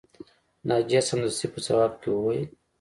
ناجیه سمدستي په ځواب کې وویل